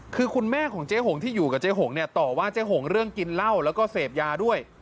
คือคุณแม่ของเจ๊หงที่อยู่กับเจ๊หงเนี่ยต่อว่าเจ๊หงเรื่องกินเหล้าแล้วก็เสพยาด้วย